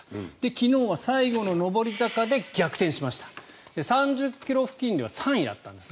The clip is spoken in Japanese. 昨日は最後の上り坂で逆転しました、３０ｋｍ付近では３位だったんです。